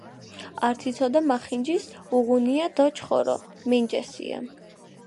ართი ცოდა მახინჯის უღუნია დო ჩხორო – მინჯესია